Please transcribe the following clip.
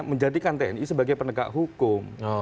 menjadikan tni sebagai penegak hukum